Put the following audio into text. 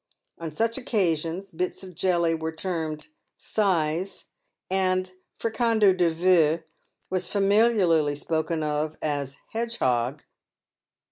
On such occasions, bits of jelly were termed " size," and " fricandeau de veau" was familiarly spoken of as " hedgehog."